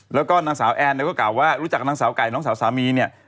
แล้วก็นางสาวแอนเนี่ยก็กล่าวว่ารู้จักนางสาวไก่น้องสาวสามีเนี่ย